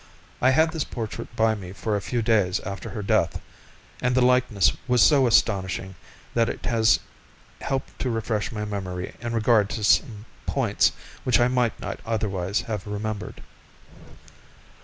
I had this portrait by me for a few days after her death, and the likeness was so astonishing that it has helped to refresh my memory in regard to some points which I might not otherwise have remembered.